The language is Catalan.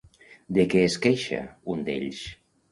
De què es queixa un d'ells?